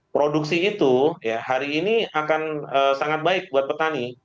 produksi itu hari ini akan sangat baik buat petani